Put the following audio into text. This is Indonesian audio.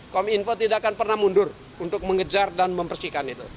kom info tidak akan pernah mundur untuk mengejar dan mempersihkan itu